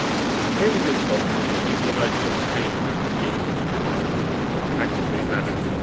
Here in this book is a genealogical tree of the Stephen Fitzmaurice Smiths of Caxbury Manor.